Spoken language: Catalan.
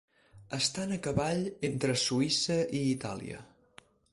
Estan a cavall entre Suïssa i Itàlia.